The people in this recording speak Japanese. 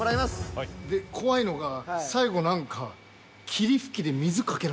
で怖いのが最後何か。